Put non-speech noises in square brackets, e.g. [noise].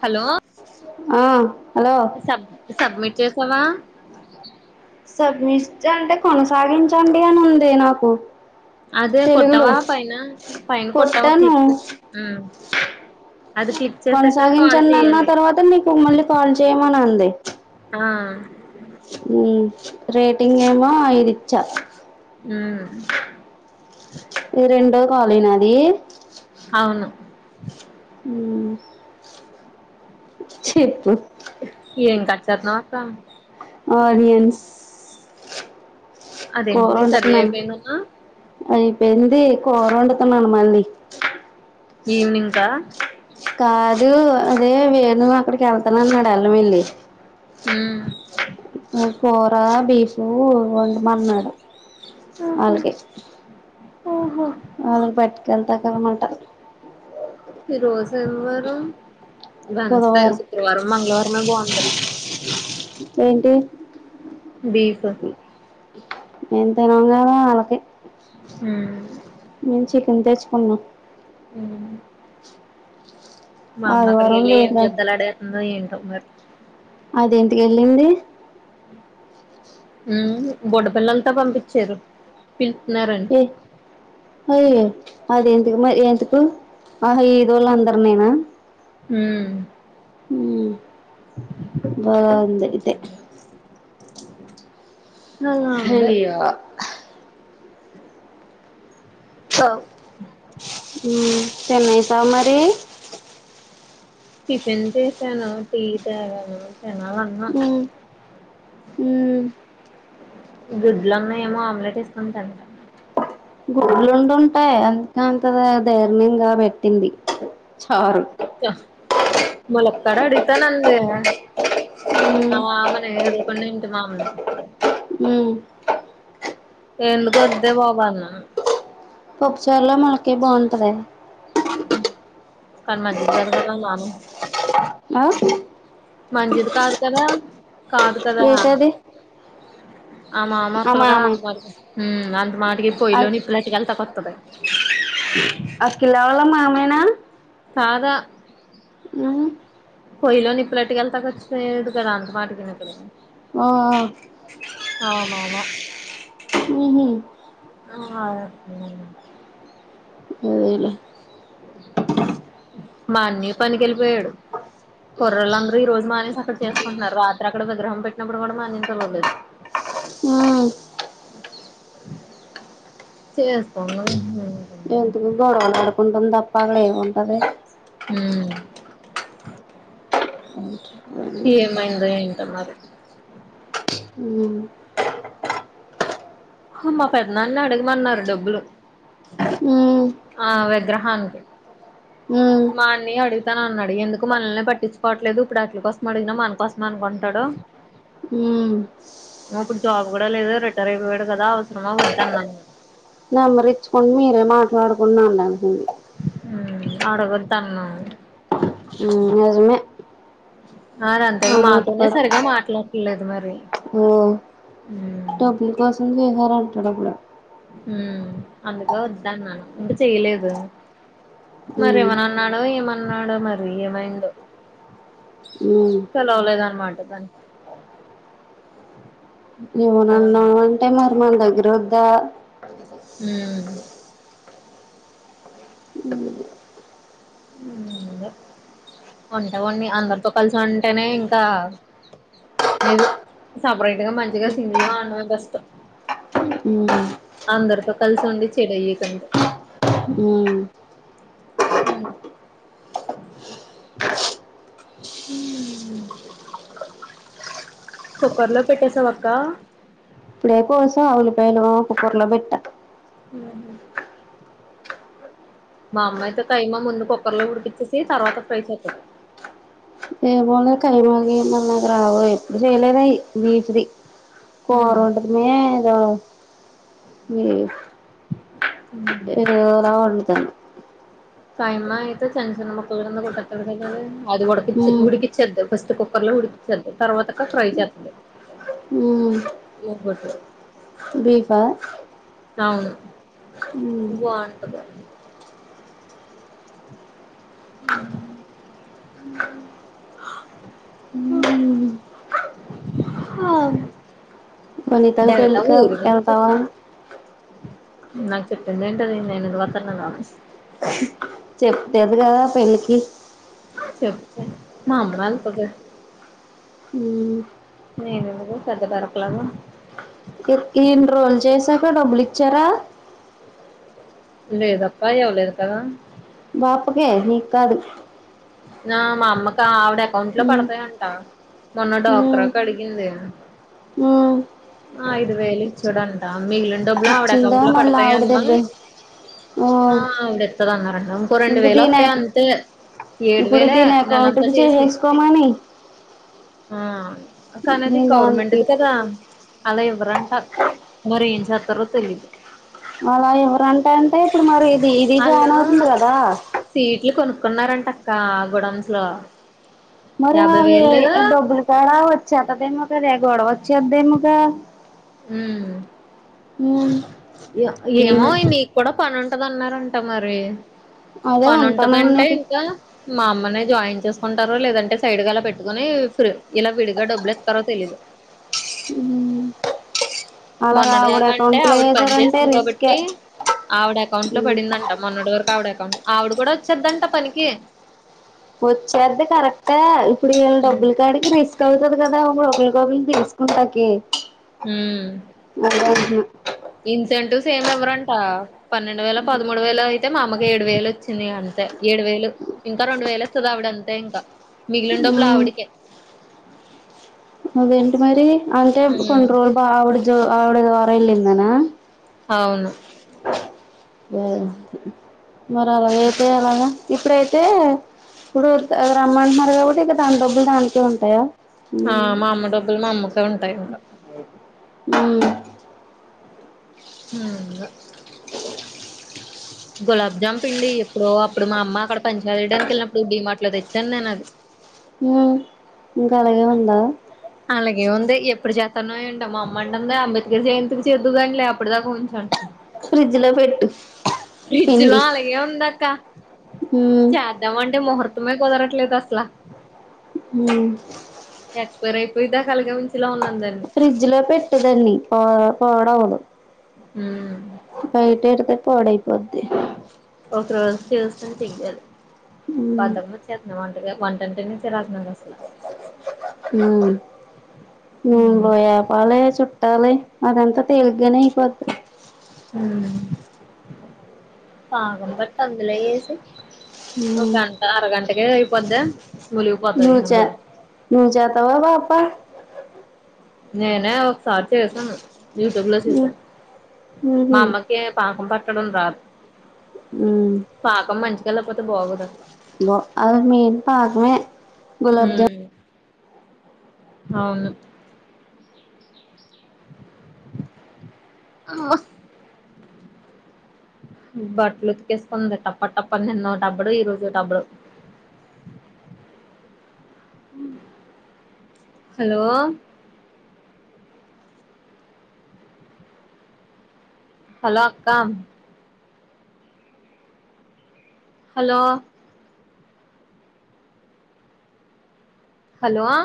Hello ఆ hello sub submit చే సవా సబ్మిజ అంటే కొనసాగించండి అని ఉంది నాకు. అదే తెలుగులో కొట్టావా పైన పైన కొట్టావా కొట్టాను క్లిక్ ఉమ్ అది క్లిక్ చేసాక కాల్ కొనసాగించంను అన్న చెయ్యాలి తర్వాత నీకు మళ్ళీ కాల్ చేయమని అంది. ఆ ఊ రేటింగ్ ఏమో ఐదు ఇచ్చా. ఊ ఈ రెండో కాలినా అది అవును అ చెప్పు ఏం కట్ చెత్తనవ్ అక్క ఆడియన్స్ కూర అదేంటి కర్రీ వండుతున్నాను అయిపోయిందన్నవ్ అయిపోయింది కూర వండుతున్నాను మళ్ళీ ఈవినింగ్కా కాదు అదే వేను అక్కడికి వెళ్తానన్నాడు [unintelligible] ఊ ఊ కోర బీఫ్ చూ వంటమన్నాడు అలగే ఓహో వాళ్ళకి పట్టుకెళ్తా కనమాట ఈరోజు ఎవ్వరు దనిస్ పేస్ బుధవారం శుక్రవారం మంగళవారమే బాగుంటంది ఏంటి బీఫ ఎంతనాంగాల వాళకి ఊ మేం చికెన్ తెచ్చుకున్నాం. ఉమ్ మా అమ్మ అక్కడికి ఆదివారం వెళ్ళి లేదు ఏం కదా జబ్ద్దలాడేతుందో ఏం సమ్మర్ దేనికి ఏళ్ళింది ఉ బుడ్డపిల్లలతో పంపించారు పిల్ ఏ అఏ అది ఎంతకు మరి ఎందుకు ఆహ ఇదోళ్ అందరు నేన ఊ ఊ బాంది ఇదే అలా ఉంది అయ్యో ఆవ్ ఉమ్ చెన్నై మరి టిఫిన్ చేసాను టీ తాగాను. తినాలన్నా ఉమ్ ఉమ్ గుడ్లు ఉన్నాయి ఏమో ఆమ్లెట్ ఏసుకుని తింటా గుడ్లు ఉండుట్టాయి అందుకె అంత దధైర్ణంగా పెట్టింది చారు. ముళ్లకాడా అడుగుతా నందే ఉమ్ ఆ మనే పన్నింటా మామ ను ఉమ్ ఎందుకు వద్దే బాబన్న చర్లో మనకే బాగుంటది. కనుమంజిత్ గారు కదా నాను ఆ మంచిది కాదు కదా కాదు కదా ఏంటది ఆ మామక్కలు కదా అంత మాట ఉమ్ అంత మాటకి పొయ్యలోని అఖి ఇప్పులచ్చకి వెళ్తాక వస్తుది ఆళ్ల మమేనా కాదా ఉమ్ పొయ్యలో నిప్పులు ఏటుకెళ్తాకి వచ్చి పోదు కదా అంత మాటికిని క్కడకి ఆ మా మామ ఉహు అదేలే మా అన్నాయ్ పనికి వెళ్ళిపోయాడు కుర్రోళ్లు అందరు ఈ రోజు మానేసి అక్కడ చేసుకుంటున్నారు రాత్రిక్కడ విగ్రహం పెట్టినప్పుడు కూడా మా అన్నయ్య ని పిలవలేదు. ఉమ్ ఎందుకు గొడవలు అడుకుంటం తప్ప అక్కడ ఏముంటది. హ్మ్మ్ ఏమైందో ఏంటో మరి ఉమ్ మా పెద్దనాన్న ని అడగమన్నారు డబ్బులు ఉమ్ ఆ విగ్రహానికి ఉమ్ మా అన్నయ్ అడుగుతా నన్నాడు ఎందుకు మనల్నే పట్టించుకోవట్లేదు ఇప్పుడు ఆట్ల కోసం అడిగినా మన కోసం అనుకుంటాడు ఉమ్ ఇప్పుడు జాబ్ కూడా లేదు రిటైర్ అయిపోయాడు. రా అవసరమా వద్దాన్నా నేను నెంబర్ ఇచ్చుకుని మీరే మాట్లాడుకునీ అని అంటుంది. హ్మ్మ్ అడగొద్ అన్నము హ్మ్మ్ నిజమే మరి ఆ అంతేగా మాట మాతోనే కూడా సరిగా మాట్లాడా లేదు మరి ఓ ఉమ్ డబ్బులు కోసం చేసారా [unintelligible] హ్మ్మ్ అందుకే వద్దాన్నాను ఇంకా చెయలేదు. మరి ఉమ్ ఇవ్వనాన్నాడో ఏమనా తిన్నాడో మరి ఏమైందొ ఉమ్ పిలవలేదు అన్ వంట పని ఇవ్వననావు అంటే మరి మన దగ్గర రుద్ద హ్మ్మ్ హ్మ్మ్ అది వంట వాని అందరితో కల్సి ఉంటేనే ఇంకా ఈసు సెపరేట్ గా మంచిగా సింగల్ గా ఉండటమే బెస్ట్ ఉమ్ అందరితో కలిసి ఉండి చెడు అయ్యే కంటే. ఉ కొకర్లో పెట్టేసావా అక్క ఇప్పుడే కోసం ఆవులి పయలు ఒక కూర్లో పెట్ట ఊ మా అమ్మాయితో కైమా ముందు కుక్కర్లో ఉడికిచ్చేసి తర్వాత ఫ్రై చేతది ఏమో నాకు కైమాగన్న [unintelligible] గ్రావ ఎప్పుడు చేయలేదయి మీ క్రి కూరొంటమే ఆ ఊ వండుతాను కైమా అయితే చిన్న చిన్న ముక్కలు కింద కోటేతాడు కదా ఆడు. అది ఉడకిచి ఉమ్ ఉడికిచద్దు. ఫస్ట్ కుక్కర్లో ఉడికించాలి తర్వాత ఫ్రై చేస్తది. బీఫ్ ఆ? అవును బాంటదా ఉమ్ ఆ మనీత చక అతవా నాకు చెప్పింది ఏంటది నేనుదివాతన్నాన [unintelligible] చెప్తది రా పెళ్ళికి చెప్పే మా అమ్మాలా పొగరు ఉమ్ నేను పెద్ద పరకులాగా కు ఇన్ని రోజులు చేసాక డబ్బులు ఇచ్చారా లేదప్పా ఇవ్వలేదు కదా బపకే నీకాదు నా మా అమ్మకా ఆవిడ అకౌంట్ లో ఉమ్ పడతాయంట మొన్న ఉమ్ డోకరాకు అడిగింది ఉమ్ ఐదు వేలు ఇచ్ ఇచ్చాడంట మిగిలి డబ్బులో ఆవిడ ఇచ్చిందా అకౌంట్ లో మళ్ళీ పడతాయి ఆవిడ అమ్మా దెబ్బే ఓ ఆ ఆవిడ ఎత్తదన్నారండి ఇంకో రెండు ఇంక వేల దీని వత్తయి అంతే ఏడు ఇప్పుడు వేలే దీని అకౌంట్ నెలంతా నుంచి చేసి చేసేసుకోమని ఆ కానది దీని దానికి గవర్నమెంట్ది కదా అలా ఎవ్వరంట మరి ఏం చేతరో తెలీదు అలా ఇవరంటా అంటే ఇప్పుడు మరి ఈదీ ఆళ్ళు జానవతుంది కదా కొన్నారంట అక్క గోడమ్స్ లో మరి యాభై ఆది వేలు డబ్బలు కాడా వచ్చాతదదేమో కదే గొడవ వచ్చేద్దేమింకా ఊ ఊ ఒ ఏమో నీకు కూడా పనుం క్కద అన్నారంట మరి అదే పనింటందంటే ఉంటానన్నది ఇంకా మామ్ మని జాయిన్ చేసుకుంటారో లేదంటే సైడ్గా అలా పెట్టుకుని ఫ్రె ఇలా విడిగా డబ్బులు ఇతారో తెలీదు మొన్నటి దాకా అంటే అలాగాగుడకుంటే ఆవిడ పని చేేసింది కాబట్టి ఆవిడ అకౌంట్ లో ఉమ్ పడిందంట మొన్నటి వరకు ఆవిడ ఆవిడ కూడా వచ్చద్దంట పనికి వచ్చేద్ది కరెక్టే ప్పుడు ఈళ్ డబులు కాడికి రిస్ తౌతుది కదా [inaudible] తెలుసుకుంటాకి హూ మరాగ్ను సెంటూ సేమ్ ఇవరంట పన్నెండు వేల పదమూడు వేల అయితే మా అమ్మకు ఏడు వేలు వచ్చింది అంతే ఏడు వేలు ఇంకా రెండు వేలు వస్తది ఆవిడ అంతే ఇంకా మిగిలిండబులా ఉమ్ ఆవిడికే అదేంటి మరి అంటే ఉమ్ కొన్ని రోజులు బావడిజో ఆవిడగారెలిందన ఔను మరి అలాగ అయితే అలాగా ఇప్పుడైతే ఇప్పుడు రమ్మంటున్నారు కాబట్టి ఇగ దాని డబ్బులు దానికే ఉంటాయా ఆ ఉమ్ మా అమ్మ డబ్బులు మా అమ్మకే ఉంటాయి ఇంక ఊ [unintelligible] గులాబ్ జామ్ పిండి ఎప్పుడో అప్పుడు మా అమ్మ అక్కడ పని చేయడానికెళ్ళినప్పుడు డీ మార్ట్ లో తెచ్చాను నేను అది ఊ ఇంక అలాగే ఉందా అలాగే ఉంది ఎప్పుడు చేత్తన్నావ్ ఎంటో మా అమ్మ అంటందే అంబేద్కర్ జయంతికి చేద్దువు గాలీలే అప్పుటి దాకా ఉంచు [inaudible] ఫ్రిజ్జు లో పెట్టు ఫ్రిజ్జు లో పిండి అలగే ఉందక్క ఉమ్ చాద్దామంటే ముహుర్ తుమ్మయి కొదారట్లేదు అస్లా హుమ్ ఎక్స్పైైర్ అయిపోయేదాక అలగే ఉంచేలా ఉన్నా ఫ్రిడ్జ లో పెట్టుదన్నీ పో పోడవుదు ఉమ్ బయటే ఎడుతే పోడై పోద్ది ఒక రోజు చూసుకొని చెయ్యాలి ఉమ్ బద్దకమెచ్చే వంటగా వంటంటేనే చిరాకు నాకు అసల మ్మ్ నేన్ బోయి ఆపాలే చుట్టాలే అదంతా తేలిగ్గానే ఐపోద్ది మ్మ్ పాగంబట్ అందులోయేసి ఒక గంట అరగంట కే ఐ పోద్దా నుచ నుచేతవా పాపా నేనే ఒక్సారి చేసాను యూటుబ్ లో చూసా ఉమ్ మా ఉహు అమ్మకి పాకం పట్ట క్కడుందా ఉమ్ పాకం మంచి ఎల్లపోతే బాగోదు అసల నొ ఔర్ మీద్ పాకమె హుమ్ అవును అ బట్టలు ఉతికేసుకుంది టప్ప టప్ప నిన్నో టబ్బుడు ఈ రోజు ఒ టబ్బుడు, హలో హలో అక్కా హలో హలోయ్